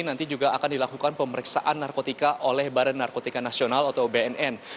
nanti juga akan dilakukan pemeriksaan narkotika oleh badan narkotika nasional atau bnn